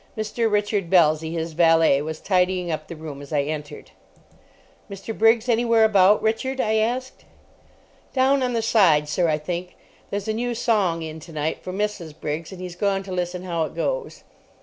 Mr. Richard Belsey, his valet, was tidying up the room as I entered. "Mr. Briggs anywhere about, Richard?" I asked. "Down on the side, sir, I think. There's a new song in tonight for Mrs. Briggs, and he's gone to listen how it goes."